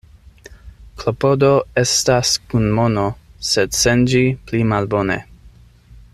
Klopodo estas kun mono, sed sen ĝi pli malbone.